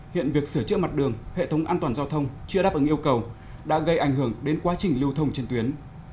hiện việc sửa chữa mặt đường hệ thống an toàn giao thông chưa đáp ứng yêu cầu đã gây ảnh hưởng đến quá trình lưu thông trên tuyến